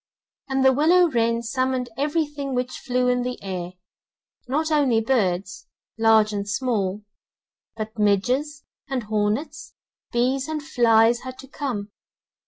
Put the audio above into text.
And the willow wren summoned everything which flew in the air, not only birds, large and small, but midges, and hornets, bees and flies had to come.